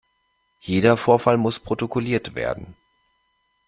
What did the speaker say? Jeder Vorfall muss protokolliert werden.